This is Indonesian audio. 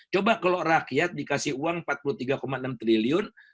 coba kalau rakyat dikasih uang rp empat puluh tiga enam triliun